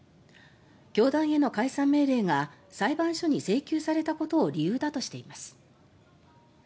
教団への解散命令が裁判所に請求されたことを理由だとしています。